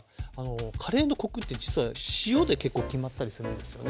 カレーのコクって実は塩で結構決まったりするんですよね。